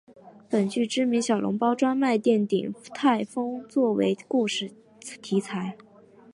本剧知名小笼包专卖店鼎泰丰做为故事题材。